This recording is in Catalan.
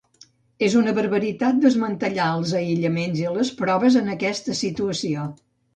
És una barbaritat desmantellar els aïllaments i les proves en aquesta situació.